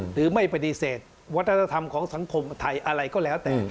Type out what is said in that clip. หรือไม่ปฏิเสธวัฒนธรรมของสังคมไทยอะไรก็แล้วแต่